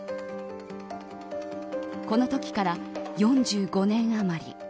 このときから４５年あまり。